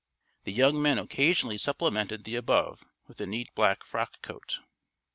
The young men occasionally supplemented the above with a neat black frock coat.